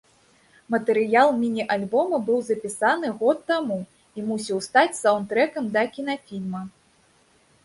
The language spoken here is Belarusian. Матэрыял міні-альбома быў запісаны год таму і мусіў стаць саўнд-трэкам да кінафільма.